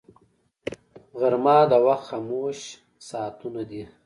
غرمه د وخت خاموش ساعتونه دي